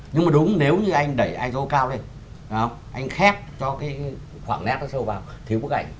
nhưng mà đúng nếu như anh đẩy iso cao lên anh khép cho cái khoảng nét sâu vào thiếu bức ảnh